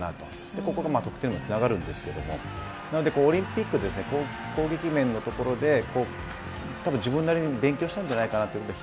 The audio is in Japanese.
ここも得点につながるんですがオリンピックで攻撃面のところで多分自分なりに勉強したんじゃないかなと思います。